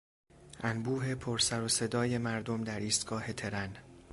انبوه پرسروصدای مردم در ایستگاه ترن